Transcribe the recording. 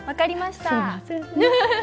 すいませんね。